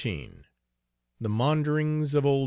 XIV THE MAUNDERINGS OF OLD MRS.